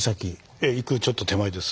へ行くちょっと手前です。